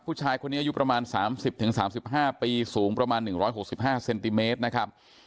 ผู้ชายคนนี้อายุประมาณสามสิบถึงสามสิบห้าปีสูงประมาณหนึ่งร้อยหกสิบห้าเซนติเมตรนะครับ